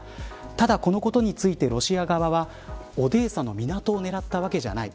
ただ、このことについてロシア側はオデーサの港を狙ったわけじゃない。